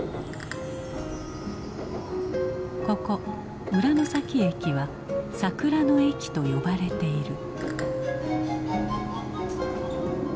ここ浦ノ崎駅は「桜の駅」と呼ばれている。